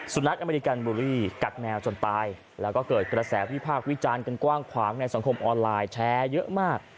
นักอเมริกันบูลลี่กัดแมวจนตายแล้วก็เกิดกระแสวิพากษ์วิจารณ์กันกว้างขวางในสังคมออนไลน์แชร์เยอะมาก